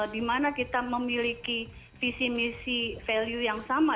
di mana kita memiliki visi misi value yang sama